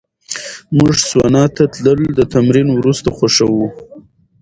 موږ سونا ته تلل د تمرین وروسته خوښوو.